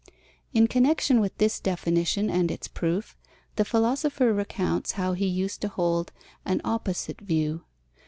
In connection with this definition and its proof, the philosopher recounts how he used to hold an opposite view.